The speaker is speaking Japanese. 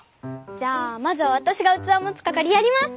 じゃあまずはわたしがうつわもつかかりやります！